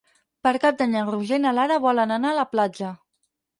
Per Cap d'Any en Roger i na Lara volen anar a la platja.